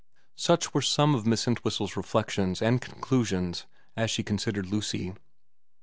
Such were some of Miss Entwhistle's reflections and conclusions as she considered Lucy.